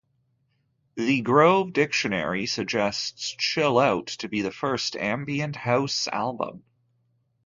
The "Grove Dictionary" suggests "Chill Out" to be the first ambient house album.